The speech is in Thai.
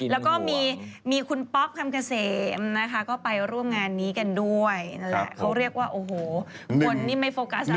แล้วก็มีคุณป๊อกคำเกษมนะคะก็ไปร่วมงานนี้กันด้วยนั่นแหละเขาเรียกว่าโอ้โหคนนี้ไม่โฟกัสอะไร